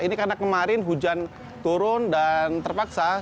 ini karena kemarin hujan turun dan terpaksa